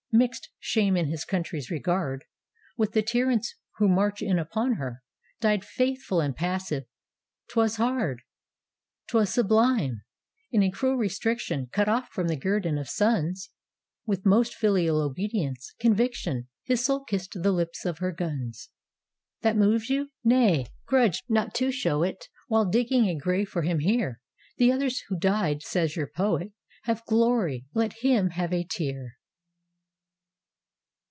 Mixed, shamed in his country's regard, With the tyrants who march in upon her Died faithful and passive : 't was hard. 'T was sublime. In a cruel restriction Cut off from the guerdon of sons. With most filial obedience, conviction, His soul kissed the lips of her guns. That moves you? Nay, grudge not to show it. While digging a grave for him here The others who died, says your poet. Have glory — let him have a tear.